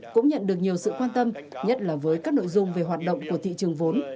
cũng nhận được nhiều sự quan tâm nhất là với các nội dung về hoạt động của thị trường vốn